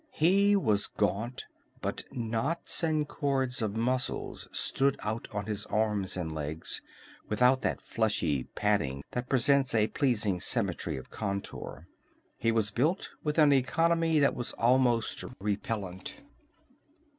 He was gaunt, but knots and cords of muscles stood out on his arms and legs, without that fleshy padding that presents a pleasing symmetry of contour. He was built with an economy that was almost repellent.